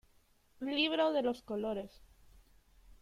Libro de los colores.